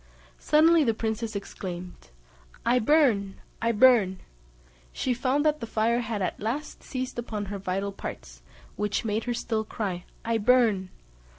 Suddenly the princess exclaimed, "I burn! I burn!" She found that the fire had at last seized upon her vital parts, which made her still cry "I burn!"